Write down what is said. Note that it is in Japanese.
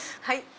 はい！